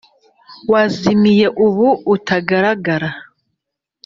wazimiye ubu utagaragara.